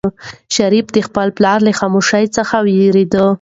شریف د خپل پلار له خاموشۍ څخه وېرېده.